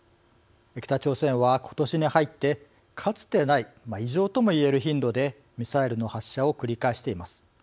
北朝鮮は今年に入ってかつてない異常とも言える頻度でミサイルの発射を繰り返しています。